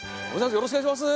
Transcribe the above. よろしくお願いします。